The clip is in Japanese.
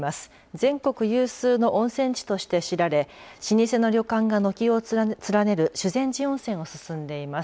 全国有数の温泉地として知られ老舗の旅館が軒を連ねる修善寺温泉を進んでいます。